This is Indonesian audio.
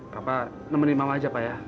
bapak nemenin mama aja pak ya